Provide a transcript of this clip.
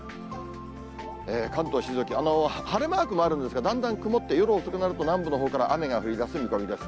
関東、静岡、晴れマークもあるんですが、だんだん曇って、夜遅くなると南部のほうから雨が降りだす見込みです。